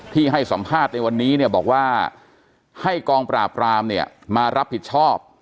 ให้สัมภาษณ์ในวันนี้เนี่ยบอกว่าให้กองปราบรามเนี่ยมารับผิดชอบ